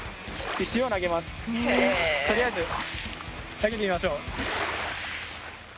とりあえず投げてみましょう。